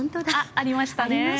ありましたね。